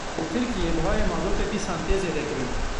Li Tirkiyê bihayê mazotê dîsan tê zêdekirin.